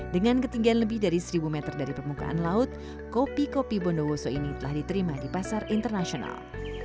dengan ketinggian lebih dari seribu meter dari permukaan laut kopi kopi bondowoso ini telah diterima di pasar internasional